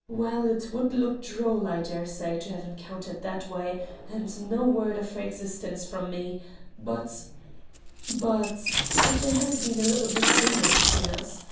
Well it would look droll, I dare say, to have encountered that way, and no word of her existence from me, but but but there has been a little disagreement between us.